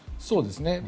そうですね。